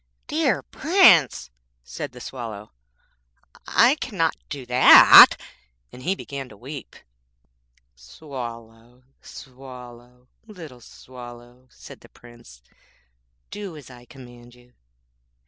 'Dear Prince,' said the Swallow,'I cannot do that;' and he began to weep. 'Swallow, Swallow, little Swallow,' said the Prince, 'do as I command you.'